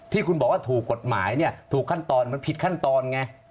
ที่คุณบอกว่าถูกกฎหมายเนี่ยถูกขั้นตอนมันผิดขั้นตอนไง